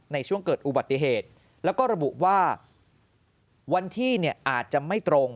ในช่วงเกิดอุบัติเหตุแล้วก็ระบุว่าวันที่เนี่ยอาจจะไม่ตรง